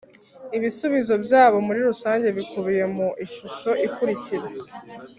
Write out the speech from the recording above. Ibisubizo byabo muri rusange bikubiye mu ishusho ikurikira